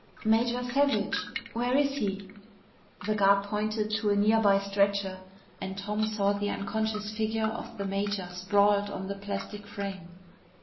"Major Savage! Where is he?" The guard pointed to a near by stretcher and Tom saw the unconscious figure of the major sprawled on the plastic frame.